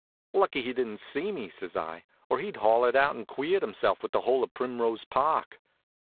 "Lucky he didn't see me," says I, "or he'd hollered out and queered himself with the whole of Primrose Park."